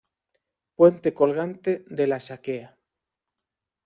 Puente colgante de La Saquea.